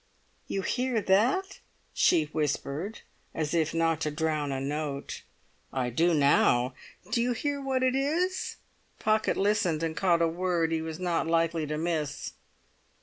"You hear that?" she whispered, as if not to drown a note. "I do now." "Do you hear what it is?" Pocket listened, and caught a word he was not likely to miss.